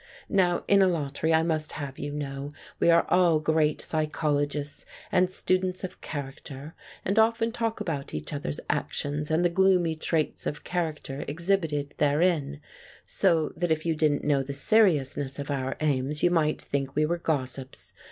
Now in Alatri, I must have you know, we are all great psychologists and students of character, and often talk about each other's actions and the gloomy traits of character exhibited therein, so that if you didn't know the seriousness of our aims, you might think we were gossips.